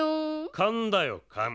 かんだよかん。